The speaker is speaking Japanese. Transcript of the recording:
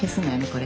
これ。